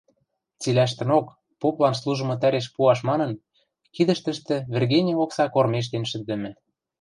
Цилӓштӹнок, поплан служымы тӓреш пуаш манын, кидӹштӹштӹ вӹргеньӹ окса кормежтен шӹндӹмӹ